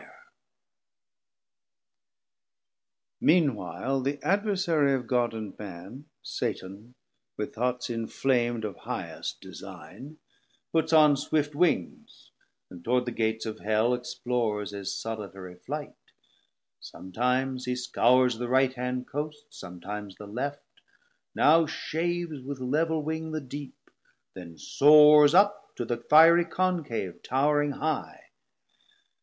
FULL SIZE Medium Size Mean while the Adversary of God and Man, Satan with thoughts inflam'd of highest design, 630 Puts on swift wings, and toward the Gates of Hell Explores his solitary flight; som times He scours the right hand coast, som times the left, Now shaves with level wing the Deep, then soares Up to the fiery concave touring high.